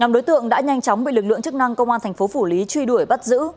năm đối tượng đã nhanh chóng bị lực lượng chức năng công an thành phố phủ lý truy đuổi bắt giữ